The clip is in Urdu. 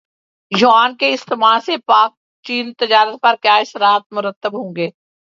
یوان کے استعمال سے پاکچین تجارت پر کیا اثرات مرتب ہوں گے